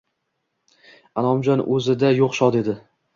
Inomjon o`zida yo`q shod edi